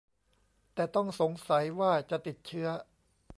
แต่ต้องสงสัยว่าจะติดเชื้อ